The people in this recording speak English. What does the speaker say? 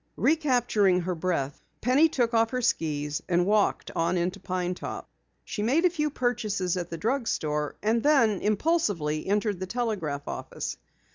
Recapturing her breath, Penny took off her skis and walked on into Pine Top. She made a few purchases at the drug store and then impulsively entered the telegraph office.